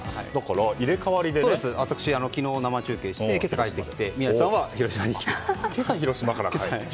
私は昨日、生中継して今朝帰ってきて宮司さんは広島にという。